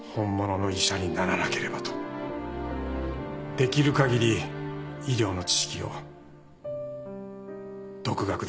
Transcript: できる限り医療の知識を独学で学びました。